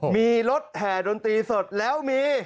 มีรถแห่ดนตรีสดแล้วมี